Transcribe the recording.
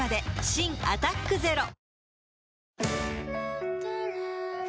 新「アタックＺＥＲＯ」